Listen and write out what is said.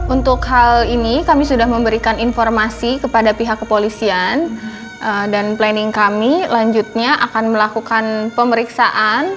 untuk hal ini kami sudah memberikan informasi kepada pihak kepolisian dan planning kami lanjutnya akan melakukan pemeriksaan